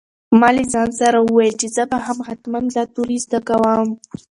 ما له ځان سره وویل چې زه به هم حتماً دا توري زده کوم.